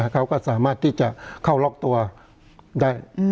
เขาก็สามารถที่จะเข้าล็อกตัวได้